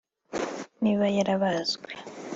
niba yarabazwe